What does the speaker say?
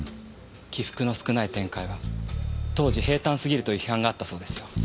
起伏の少ない展開は当時平坦すぎるという批判があったそうですよ。